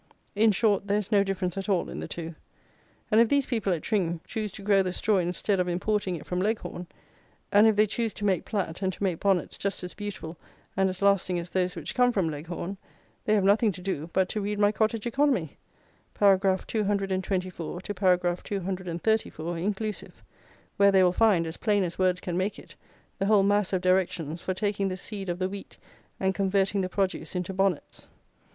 In short, there is no difference at all in the two; and if these people at Tring choose to grow the straw instead of importing it from Leghorn; and if they choose to make plat, and to make bonnets just as beautiful and as lasting as those which come from Leghorn, they have nothing to do but to read my Cottage Economy, paragraph 224 to paragraph 234, inclusive, where they will find, as plain as words can make it, the whole mass of directions for taking the seed of the wheat, and converting the produce into bonnets.